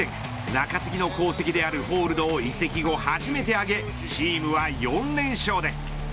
中継ぎの功績であるホールドを移籍後、初めて挙げチームは４連勝です。